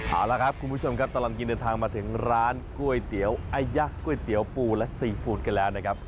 เอาละครับคุณผู้ชมครับตลอดกินเดินทางมาถึงร้านก๋วยเตี๋ยวไอยักษ์ก๋วยเตี๋ยวปูและซีฟู้ดกันแล้วนะครับ